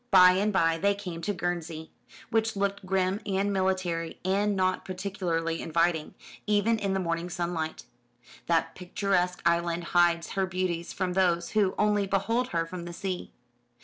By and by they came to Guernsey, which looked grim and military, and not particularly inviting, even in the morning sunlight. That picturesque island hides her beauties from those who only behold her from the sea.